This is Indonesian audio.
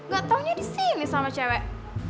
gak taunya disini sama cewek